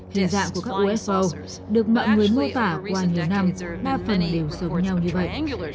tình dạng của các ufo được mạng nguyên mô tả qua nhiều năm ba phần đều sống nhau như vậy